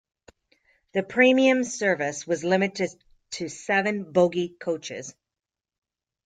The premium service was limited to seven bogie coaches.